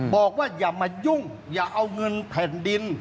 บอกว่าอย่ามายุ่งอย่าเอาเงินแผ่นดิน